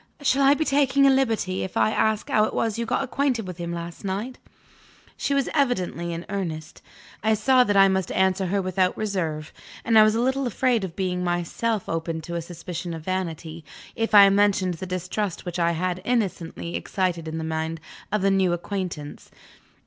Shall I be taking a liberty, if I ask how it was you got acquainted with him last night?" She was evidently in earnest. I saw that I must answer her without reserve; and I was a little afraid of being myself open to a suspicion of vanity, if I mentioned the distrust which I had innocently excited in the mind of my new acquaintance.